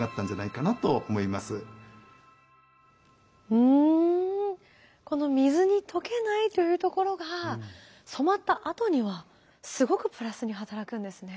うんこの水に溶けないというところが染まったあとにはすごくプラスに働くんですね。